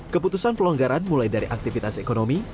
keputusan pelonggaran mulai dari aktivitas ekonomi